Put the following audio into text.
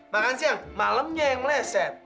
makan siang malamnya yang meleset